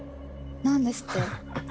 何ですって？